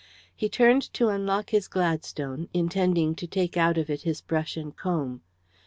He turned to unlock his Gladstone, intending to take out of it his brush and comb.